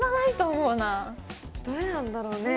どれなんだろうね？